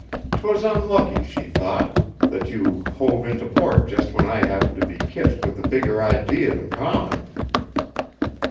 'Twas unlucky, she thought, that you hove into port just when I happened to be kitched with a bigger idee than common."